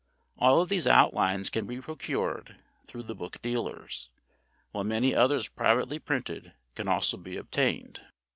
All of these outlines can be procured through the book dealers, while many others privately printed can also be obtained.